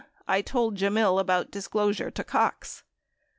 1 told Gemmill about disclosure to Cox."